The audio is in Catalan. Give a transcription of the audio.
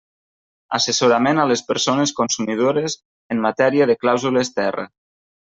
Assessorament a les persones consumidores en matèria de clàusules terra.